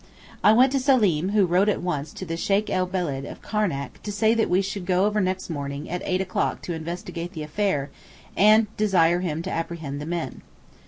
I went to Seleem, who wrote at once to the Sheykh el Beled of Karnac to say that we should go over next morning at eight o'clock to investigate the affair, and to desire him to apprehend the men.